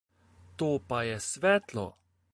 To pa je svetlo!